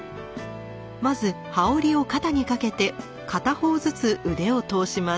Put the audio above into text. まず羽織を肩にかけて片方ずつ腕を通します。